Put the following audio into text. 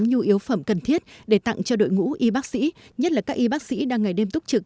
nhu yếu phẩm cần thiết để tặng cho đội ngũ y bác sĩ nhất là các y bác sĩ đang ngày đêm túc trực